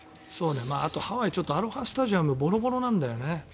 あと、ハワイアロハスタジアムボロボロなんだよね。